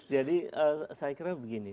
jadi saya kira begini